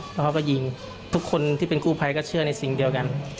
แล้วเขาก็ยิงทุกคนที่เป็นกู้ภัยก็เชื่อในสิ่งเดียวกัน